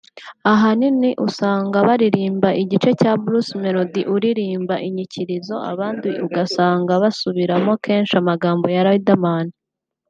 ahanini usanga baririmba igice cya Bruce Melody uririmba inyikirizo abandi ugasanga basubiramo kenshi amagambo ya Riderman